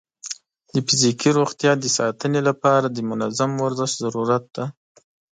د فزیکي روغتیا د ساتنې لپاره د منظم ورزش ضرورت دی.